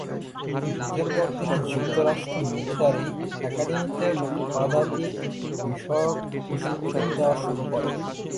যুদ্ধের পর তিনি যুক্তরাষ্ট্র মিলিটারি একাডেমীতে পদাতিক বিষয়ক প্রশিক্ষণ দেওয়া শুরু করেন।